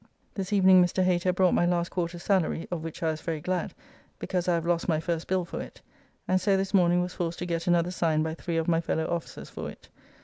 This evening Mr. Hater brought my last quarter's salary, of which I was very glad, because I have lost my first bill for it, and so this morning was forced to get another signed by three of my fellow officers for it.